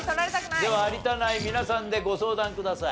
では有田ナイン皆さんでご相談ください。